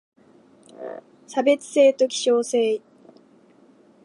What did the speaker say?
差別性と希少性